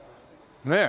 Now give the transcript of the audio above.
ねえ。